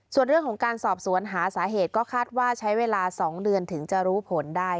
ส่วนเรื่องของการสอบสวนหาสาเหตุก็คาดว่าใช้เวลา๒เดือนถึงจะรู้ผลได้